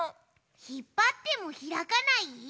ひっぱってもひらかない？